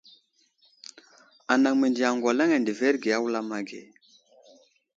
Anaŋ məndiya aŋgalaŋ adəverge a wulam age.